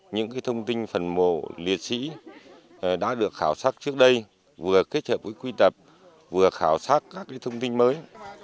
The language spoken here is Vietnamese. những thông tin phần mộ liệt sĩ đã được khảo sát trước đây vừa kết hợp với quy tập vừa khảo sát các thông tin mới